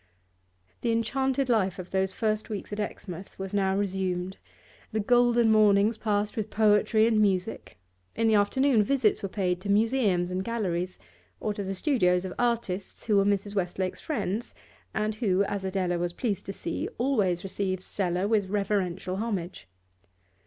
The enchanted life of those first weeks at Exmouth was now resumed. The golden mornings passed with poetry and music; in the afternoon visits were paid to museums and galleries, or to the studios of artists who were Mrs. Westlake's friends, and who, as Adela was pleased to see, always received Stella with reverential homage.